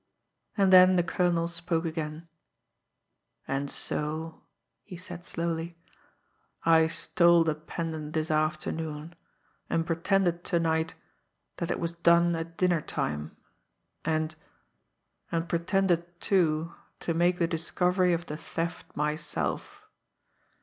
And then the colonel spoke again: "And so," he said slowly, "I stole the pendant this afternoon, and pretended to night that it was done at dinner time, and and pretended, too, to make the discovery of the theft myself.